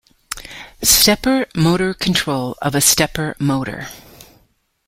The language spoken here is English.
Stepper Motor Control of a stepper motor.